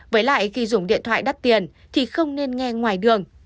với lại khi dùng điện thoại đắt tiền thì không nên nghe ngoài đường